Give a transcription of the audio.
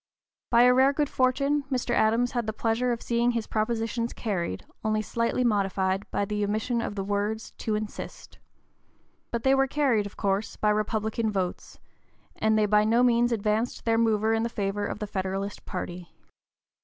By a rare good fortune, Mr. Adams had the pleasure of seeing his propositions carried, only slightly modified by the omission of the words "to insist." But they were carried, of course, by Republican votes, and they by no means advanced their mover in the favor of the Federalist party.